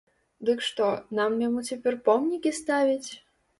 Дык што, нам яму цяпер помнікі ставіць?